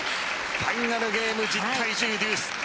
ファイナルゲーム１０対１０、デュース。